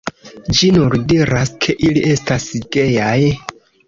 Ĝi nur diras, ke ili estas gejaj.